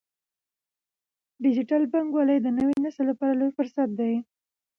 ډیجیټل بانکوالي د نوي نسل لپاره لوی فرصت دی۔